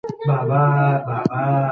که ته غواړې بريالی سې، بايد ډېر زحمت وباسې.